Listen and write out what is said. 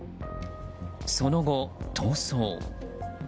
その後、逃走。